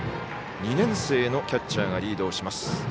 ２年生のキャッチャーがリードします。